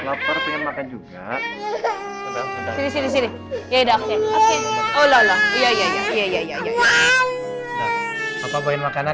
lapar pengen makan juga sedangkan dari sini ya udah oke oke ya ya ya ya ya ya ya ya ya ya